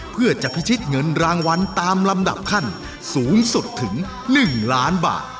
เพื่อจะพิชิตเงินรางวัลตามลำดับขั้นสูงสุดถึง๑ล้านบาท